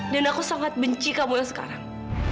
dan aku sangat benci kamu yang sekarang